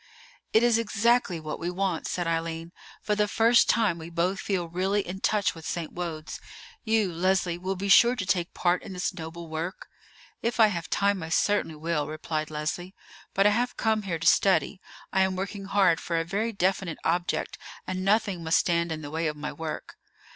"It is exactly what we want," said Eileen; "for the first time we both feel really in touch with St. Wode's. You, Leslie, will be sure to take part in this noble work?" "If I have time I certainly will," replied Leslie; "but I have come here to study. I am working hard for a very definite object, and nothing must stand in the way of my work."